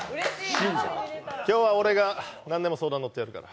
今日は俺がなんでも相談乗ってやるから。